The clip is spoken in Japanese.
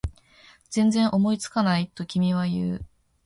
全然思いつかない？と君は言う